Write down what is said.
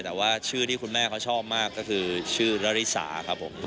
แต่ว่าชื่อที่คุณแม่เขาชอบมากก็คือชื่อนาริสาครับผม